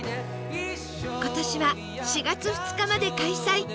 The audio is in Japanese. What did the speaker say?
今年は４月２日まで開催